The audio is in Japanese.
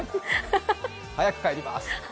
早く帰ります！